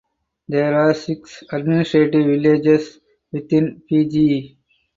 There are six administrative villages within Beji.